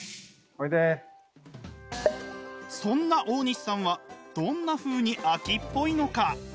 そんな大西さんはどんなふうに飽きっぽいのか？